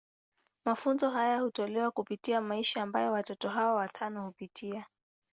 Mafunzo haya hutolewa kupitia maisha ambayo watoto hawa watano hupitia.